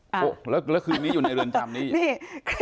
โหแล้วคืนนี้อยู่ในเรือนจำนี้